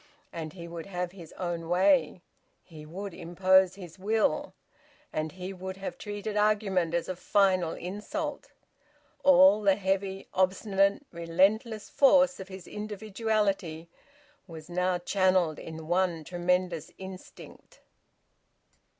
And he would have his own way. He would impose his will. And he would have treated argument as a final insult. All the heavy, obstinate, relentless force of his individuality was now channelled in one tremendous instinct.